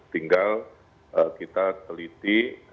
tinggal kita teliti